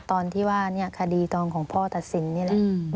ตอนที่ว่าเนี่ยคดีตอนของพ่อตัดสินนี่แหละ